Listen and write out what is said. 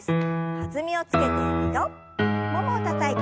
弾みをつけて２度ももをたたいて。